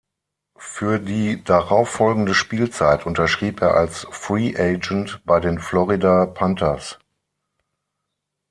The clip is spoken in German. Für die darauffolgende Spielzeit unterschrieb er als Free Agent bei den Florida Panthers.